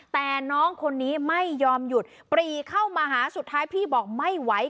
แต่น้องคนนี้ไม่ยอมหยุดปรีเข้ามาหาสุดท้ายพี่บอกไม่ไหว